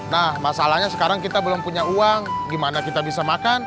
nah masalahnya sekarang kita belum punya uang gimana kita bisa makan